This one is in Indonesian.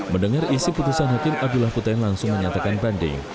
mendengar isi putusan hakim abdullah putih langsung menyatakan banding